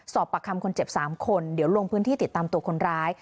ประคำคนเจ็บ๓คนเดี๋ยวลงพื้นที่ติดตามตัวคนร้าย